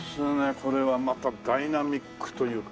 これはまたダイナミックというか。